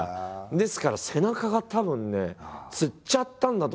ですから背中がたぶんねつっちゃったんだと思うんですよ。